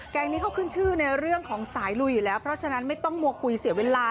งนี้เขาขึ้นชื่อในเรื่องของสายลุยอยู่แล้วเพราะฉะนั้นไม่ต้องมัวคุยเสียเวลา